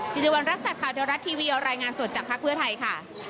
สิริวัณรักษัตริย์ข่าวเทวรัฐทีวีรายงานสดจากภาคเพื่อไทยค่ะ